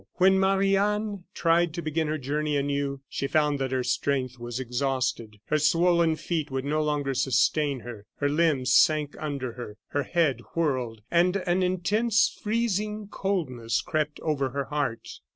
When Marie Anne tried to begin her journey anew, she found that her strength was exhausted; her swollen feet would no longer sustain her, her limbs sank under her, her head whirled, and an intense freezing coldness crept over her heart.